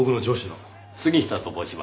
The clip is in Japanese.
杉下と申します。